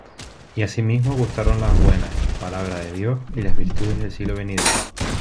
Y asimismo gustaron la buena palabra de Dios, y las virtudes del siglo venidero,